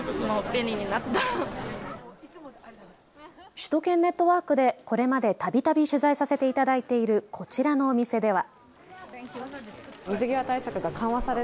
首都圏ネットワークでこれまでたびたび取材させていただいているこちらのお店では。